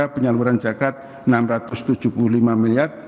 penyaluran zakat rp enam ratus tujuh puluh lima miliar